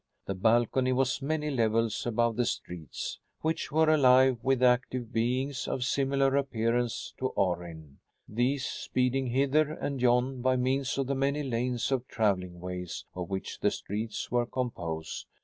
The balcony was many levels above the streets, which were alive with active beings of similar appearance to Orrin, these speeding hither and yon by means of the many lanes of traveling ways of which the streets were composed.